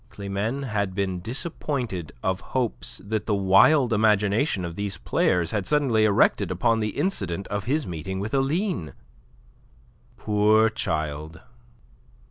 Climene had been disappointed of hopes that the wild imagination of these players had suddenly erected upon the incident of his meeting with Aline. Poor child!